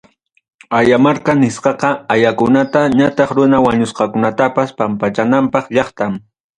Ayamarka nisqaqa, ayakunata ñataq runa wañusqakunatapas pampachanapaq llaqtam.